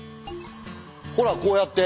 ほらこうやって。